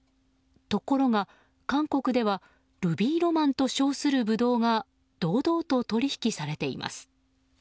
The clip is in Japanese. ところが、韓国ではルビーロマンと称するブドウが堂々と取引されています。